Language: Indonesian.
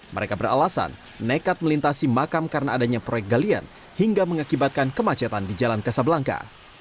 mereka beralasan nekat melintasi makam karena adanya proyek galian hingga mengakibatkan kemacetan di jalan kasablangka